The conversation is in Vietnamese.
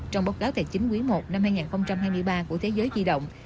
trong báo cáo tài chính quý i năm hai nghìn hai mươi ba của thế giới di động